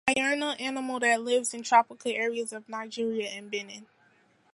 It is a diurnal animal that lives in tropical areas of Nigeria and Benin.